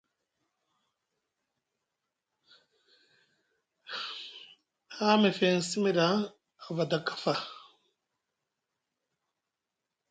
Haa mefeŋ simi ɗa a fada kafa.